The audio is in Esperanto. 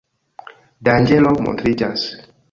Danĝero montriĝas.